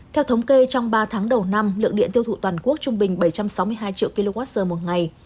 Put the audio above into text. theo thống kê trong ba tháng đầu năm lượng điện tiêu thụ toàn quốc trung bình bảy trăm sáu mươi hai triệu kwh một ngày